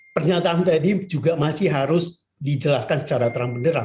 pernyataan tadi juga masih harus dijelaskan secara terang benerang